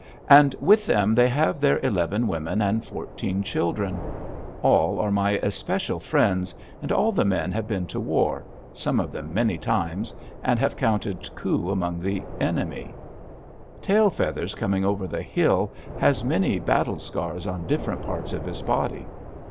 And with them they have their eleven women and fourteen children. All are my especial friends, and all the men have been to war some of them many times and have counted coup upon the enemy. Tail Feathers Coming over the Hill has many battle scars on different parts of his body.